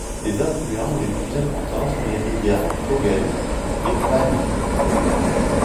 Ses affluents les plus importants sont les rivières Koguel et Paliou.